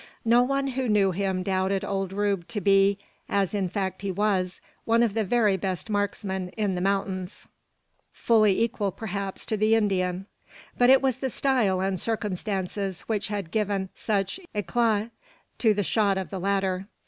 No one who knew him doubted old Rube to be, as in fact he was, one of the very best marksmen in the mountains fully equal, perhaps, to the Indian; but it was the style and circumstances which had given such eclat to the shot of the latter.